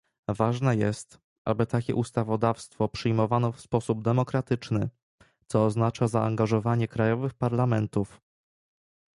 Ważne jest, aby takie ustawodawstwo przyjmowano w sposób demokratyczny, co oznacza zaangażowanie krajowych parlamentów